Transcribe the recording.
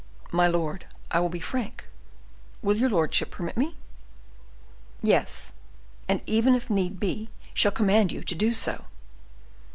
"My lord, I will be frank; will your lordship permit me?" "Yes, and even if need be shall command you to be so."